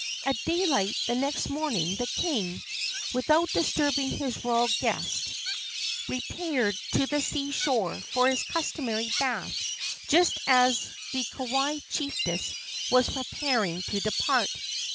At daylight the next morning the king, without disturbing his royal guest, repaired to the sea shore for his customary bath just as the Kauai chiefess was preparing to depart.